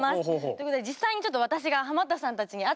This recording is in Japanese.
ということで実際にちょっと私がハマったさんたちに会ってきました。